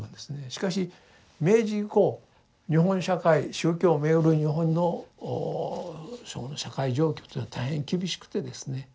しかし明治以降日本社会宗教を巡る日本の社会状況というのは大変厳しくてですね